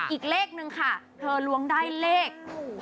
อีกเลขนึงค่ะเธอล้วงได้เลข